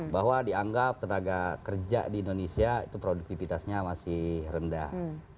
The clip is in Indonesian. bahwa dianggap tenaga kerja di indonesia itu produktivitasnya masih rendah